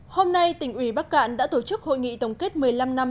hôm nay tỉnh ủy bắc cạn đã tổ chức hội nghị tổng kết một mươi năm năm